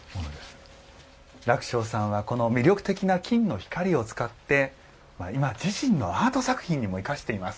礫翔さんはこの魅力的な金の光を使って今自身のアート作品にも生かしています。